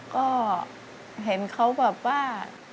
ก็เห็นเขาแบบว่า